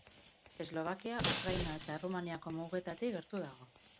Eslovakia, Ukraina eta Errumaniako mugetatik gertu dago.